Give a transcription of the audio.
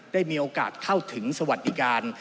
ได้มีโอกาสเข้าถึงสวัสดิการ